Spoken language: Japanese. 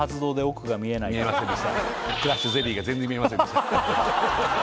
クラッシュゼリーが全然見えませんでした